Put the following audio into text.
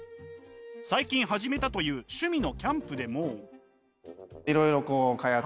最近始めたという趣味のキャンプでも。